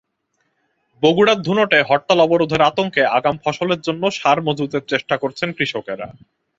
বগুড়ার ধুনটে হরতাল-অবরোধের আতঙ্কে আগাম ফসলের জন্য সার মজুতের চেষ্টা করছেন কৃষকেরা।